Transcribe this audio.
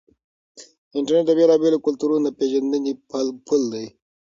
انټرنیټ د بېلابېلو کلتورونو د پیژندنې پل دی.